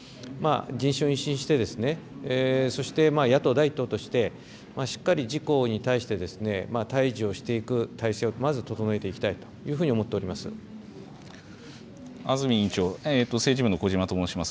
人心を一新して、そして野党第１党として、しっかり自公に対して対じをしていく体制をまず整えていきたいと安住委員長、政治部の小嶋と申します。